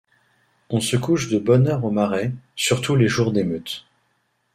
On se couche de bonne heure au Marais, surtout les jours d’émeute.